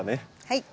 はい。